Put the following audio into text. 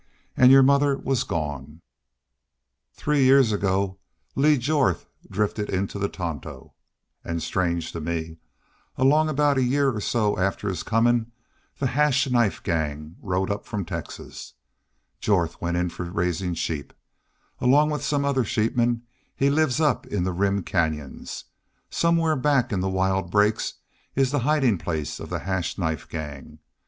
An' your mother was gone "Three years ago Lee Jorth drifted into the Tonto. An', strange to me, along aboot a year or so after his comin' the Hash Knife Gang rode up from Texas. Jorth went in for raisin' sheep. Along with some other sheepmen he lives up in the Rim canyons. Somewhere back in the wild brakes is the hidin' place of the Hash Knife Gang.